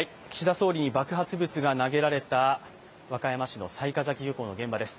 総理に爆発物が投げられた和歌山市の雑賀崎漁港の現場です。